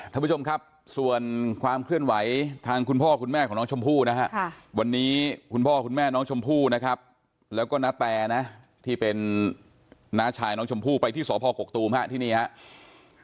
ท่านผู้ชมครับส่วนความเคลื่อนไหวทางคุณพ่อคุณแม่ของน้องชมพู่นะฮะวันนี้คุณพ่อคุณแม่น้องชมพู่นะครับแล้วก็นาแตนะที่เป็นน้าชายน้องชมพู่ไปที่สพกกตูมฮะที่นี่ครับ